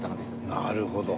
なるほど。